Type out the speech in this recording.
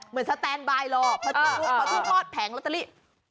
เหมือนสแตนบายหลอบพอที่พอดแผงลอตเตอรี่